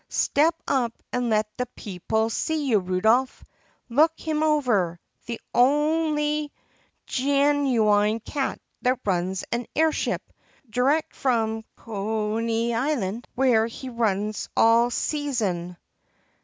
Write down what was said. Step up and let the pee pul see you, Rudolph ! Look him over ! The on'y gen oo ine cat that runs a air ship! Direc' from Koo nee I 'lin' where he run all see zin!